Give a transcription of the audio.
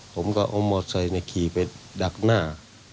ผมก็เอามอเซขี่ไปดักหน้า